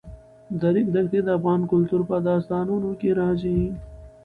د ریګ دښتې د افغان کلتور په داستانونو کې راځي.